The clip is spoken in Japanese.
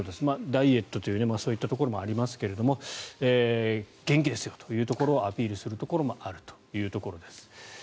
ダイエットというそういったところもありますが元気ですよとアピールするところもあるということです。